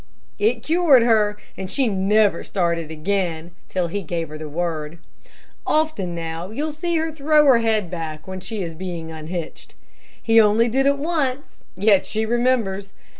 It cured her, and she never started again, till he gave her the word. Often now, you'll see her throw her head back when she is being unhitched. He only did it once, yet she remembers.